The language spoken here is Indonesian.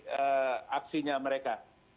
dan itu adalah kepentingannya mereka